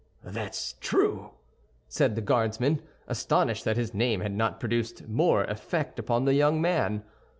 "That's true," said the Guardsman, astonished that his name had not produced more effect upon the young man.